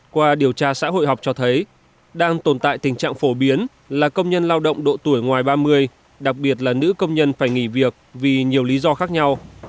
qua điều tra xã hội học cho thấy đang tồn tại tình trạng phổ biến là công nhân lao động độ tuổi ngoài ba mươi đặc biệt là nữ công nhân phải nghỉ việc vì nhiều lý do khác nhau